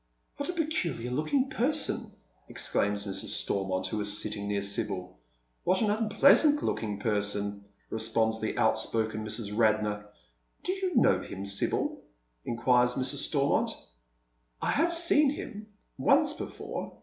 " What a peculiar looking person 1 " exclaims Mrs. Stormont, who is sitting near Sibyl. "What an unpleasant looking person !" responds the out spoken Mrs. Radnor. " Do you know him, Sibyl ?" inquires Mrs. Stormont. " I have seen him — once before.